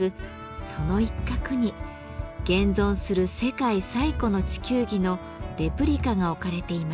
その一角に現存する世界最古の地球儀のレプリカが置かれています。